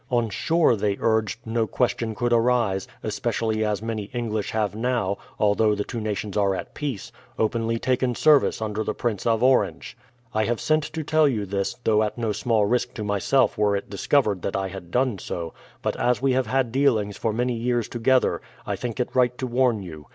On shore, they urged, no question could arise, especially as many English have now, although the two nations are at peace, openly taken service under the Prince of Orange. "I have sent to tell you this, though at no small risk to myself were it discovered that I had done so; but as we have had dealings for many years together, I think it right to warn you.